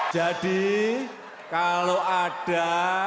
jadi kalau ada